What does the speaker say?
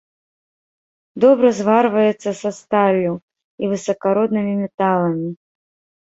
Добра зварваецца са сталлю і высакароднымі металамі.